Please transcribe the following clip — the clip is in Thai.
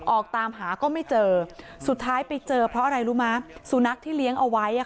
ออกตามหาก็ไม่เจอสุดท้ายไปเจอเพราะอะไรรู้มั้ยสุนัขที่เลี้ยงเอาไว้